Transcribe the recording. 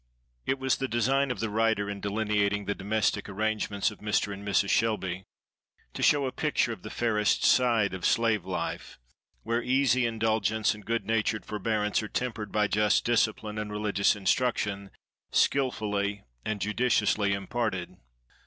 It was the design of the writer, in delineating the domestic arrangements of Mr. and Mrs. Shelby, to show a picture of the fairest side of slave life, where easy indulgence and good natured forbearance are tempered by just discipline and religious instruction, skilfully and judiciously imparted.